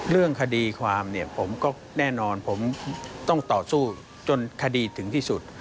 เรื่องคดีความเนี่ยผมก็แน่นอนผมต้องต่อสู้จนคดีถึงที่สุด